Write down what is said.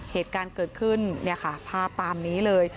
เหตุการณ์เกิดขึ้นเนี่ยค่ะภาพตามนี้เลย